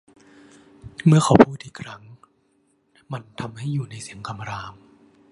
เมื่อเขาพูดอีกครั้ง มันทำให้อยู่ในเสียงคำราม